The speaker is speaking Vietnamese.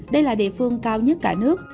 đây là địa phương cao nhất cả nước